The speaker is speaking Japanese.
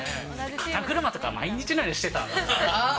肩車とか、毎日のようにしてた。